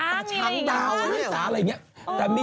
มีช้างดาวอะไรอยู่ที่นี่